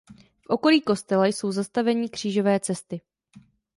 V okolí kostela jsou zastavení křížové cesty.